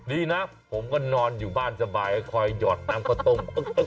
ดีนะผมก็นอนอยู่บ้านสบายคอยหยอดน้ำข้าวต้ม